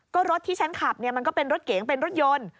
ก็รถที่ฉันขับเนี่ยมันก็เป็นรถเก๋งเป็นรถยนต์